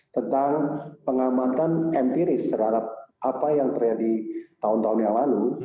tentang pengamatan empiris terhadap apa yang terjadi tahun tahun yang lalu